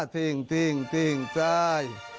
ทิ้งทิ้งทิ้งทราย